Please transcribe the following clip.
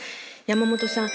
山本さん